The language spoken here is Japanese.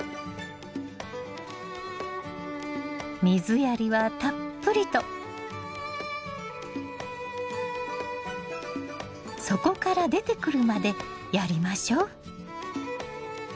水やりはたっぷりと底から出てくるまでやりましょう。